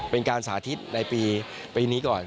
เป็นการสาธิตในปีนี้ก่อน